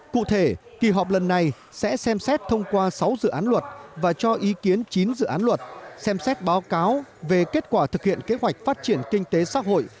cụ thể kỳ họp lần này sẽ xem xét thông qua sáu dự án luật và cho ý kiến chín dự án luật xem xét báo cáo về kết quả thực hiện kế hoạch phát triển kinh tế xã hội